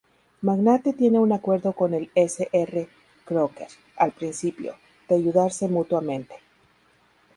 Magnate tiene un acuerdo con el Sr. Crocker, al principio, de ayudarse mutuamente.